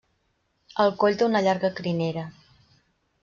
El coll té una llarga crinera.